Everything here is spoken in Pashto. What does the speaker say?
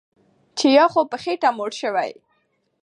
چې یا خو په خېټه موړ شوی